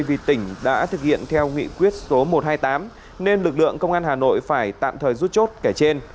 vì tỉnh đã thực hiện theo nghị quyết số một trăm hai mươi tám nên lực lượng công an hà nội phải tạm thời rút chốt kể trên